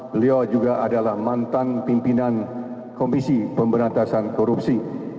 beliau juga adalah mantan pimpinan komisi pemberantasan korupsi